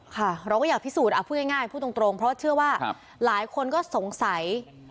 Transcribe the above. ค่ะเราก็อยากพิสูจน์พูดง่ายพูดตรงเพราะเชื่อว่าหลายคนก็สงสัย